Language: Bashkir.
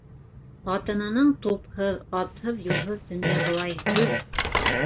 Ҡатынының тупһыҙ, атһыҙ-юлһыҙ төндә былай һүҙ